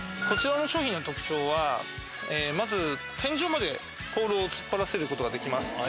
こちらの商品の特徴はまず天井までポールを突っ張らせることができます。